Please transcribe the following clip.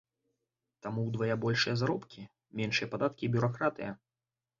Там удвая большыя заробкі, меншыя падаткі і бюракратыя.